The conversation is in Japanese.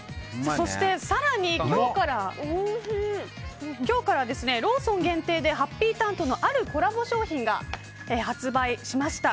そして更に、今日からローソン限定でハッピーターンとのあるコラボ商品が発売しました。